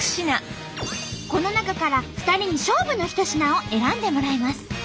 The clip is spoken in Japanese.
この中から２人に勝負の一品を選んでもらいます。